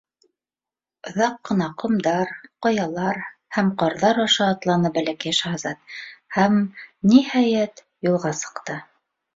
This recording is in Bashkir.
Оҙаҡ ҡына ҡомдар, ҡаялар һәм ҡарҙар аша атланы Бәләкәй шаһзат, һәм, ниһайәт, юлға сыҡты.